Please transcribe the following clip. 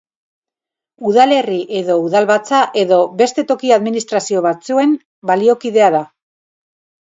Udalerri edo udalbatza edo beste toki administrazio batzuen baliokidea da.